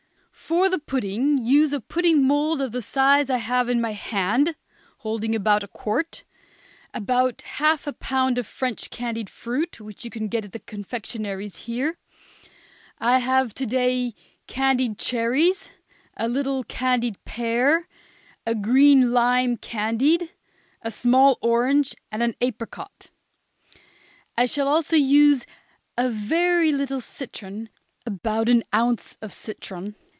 For the pudding use a pudding mould of the size I have in my hand (holding about a quart), about half a pound of French candied fruit, which you can get at the confectionaries here; I have to day candied cherries, a little candied pear, a green lime candied, a small orange, and an apricot. I shall also use a very little citron, about an ounce of citron.